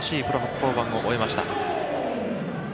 プロ初登板を終えました。